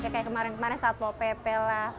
kayak kemarin saat wpp lah